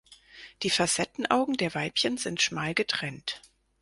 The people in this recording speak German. Die Facettenaugen der Weibchen sind schmal getrennt.